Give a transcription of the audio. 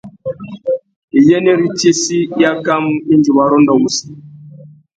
Iyênêritsessi i akamú indi wa rôndô wussi.